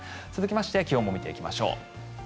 続きまして気温も見ていきましょう。